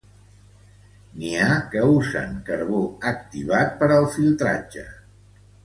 N'hi ha que usen carbó activat per al filtratge.